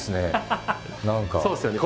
そうですよね。